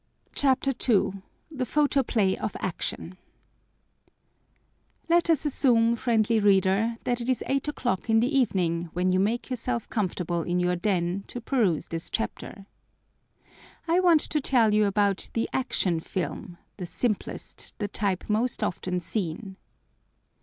CHAPTER II THE PHOTOPLAY OF ACTION Let us assume, friendly reader, that it is eight o'clock in the evening when you make yourself comfortable in your den, to peruse this chapter. I want to tell you about the Action Film, the simplest, the type most often seen.